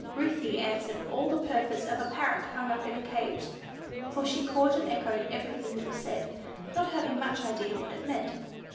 Ruthie answered all the purpose of a parrot hung up in a cage, for she caught and echoed everything that was said, not having much idea what it meant.